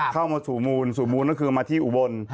เข้ามาสู่มูลสู่มูลก็คือมาที่อุบล